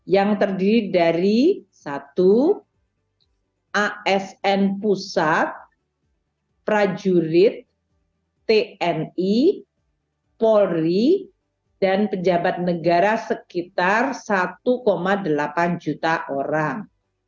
yang terdiri dari satu asn pusat prajurit tni polri dan pejabat negara sekitar satu delapan juta orang